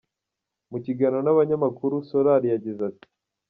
Mu kiganiro n'abanyamakuru, Solari yagize ati:.